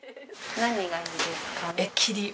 何がいいですかね？